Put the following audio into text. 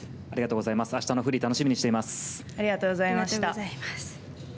明日のフリー楽しみにしています。